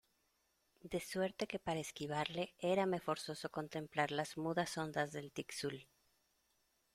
de suerte que para esquivarle érame forzoso contemplar las mudas ondas del Tixul